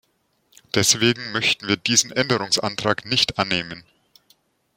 Deswegen möchten wir diesen Änderungsantrag nicht annehmen.